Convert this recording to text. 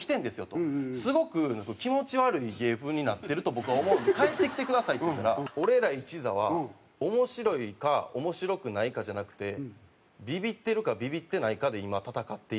すごく気持ち悪い芸風になってると僕は思うんで帰ってきてくださいって言ったら俺ら一座は面白いか面白くないかじゃなくてビビってるかビビってないかで今戦っているって言いだして。